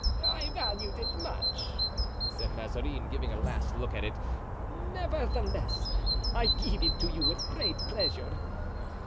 "I valued it much," said Mazarin, giving a last look at it; "nevertheless, I give it to you with great pleasure."